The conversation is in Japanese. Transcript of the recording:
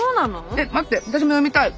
えっ待って私も読みたい。